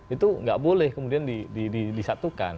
itu nggak boleh kemudian disatukan